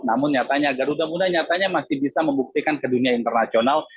namun nyatanya garuda muda nyatanya masih bisa membuktikan ke dunia internasional